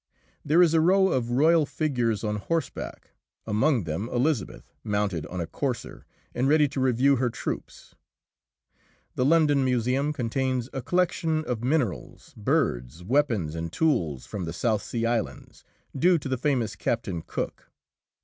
There is a row of royal figures on horseback, among them Elizabeth, mounted on a courser and ready to review her troops. The London museum contains a collection of minerals, birds, weapons and tools from the South Sea Islands, due to the famous Captain Cook.